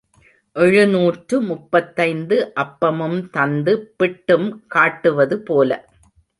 எழுநூற்று முப்பத்தைந்து அப்பமும் தந்து பிட்டும் காட்டுவது போல.